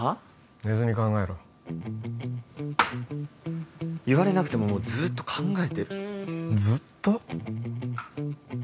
寝ずに考えろ言われなくてももうずーっと考えてるずっと？